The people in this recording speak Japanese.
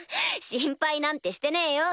心配なんてしてねえよ。